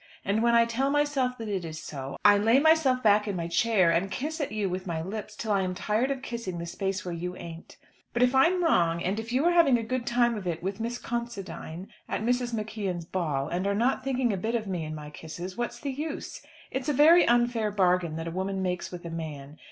And when I tell myself that it is so, I lay myself back in my chair and kiss at you with my lips till I am tired of kissing the space where you ain't. But if I am wrong, and if you are having a good time of it with Miss Considine at Mrs. McKeon's ball, and are not thinking a bit of me and my kisses, what's the use? It's a very unfair bargain that a woman makes with a man.